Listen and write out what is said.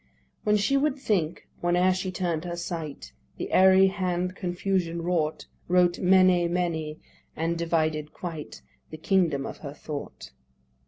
When she would think, where'er she turn'd her sight The airy hand confusion wrought, Wrote, "Mene, mene," and divided quite The kingdom of her thought.